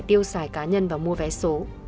tiêu xài cá nhân và mua vé số